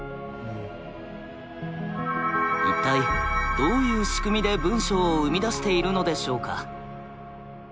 一体どういう仕組みで文章を生み出しているのでしょうか？